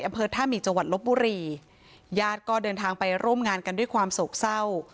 อำเภอท่ามีจังหวัดลบบุรีญาติก็เดินทางไปร่วมงานกันด้วยความโศกเศร้า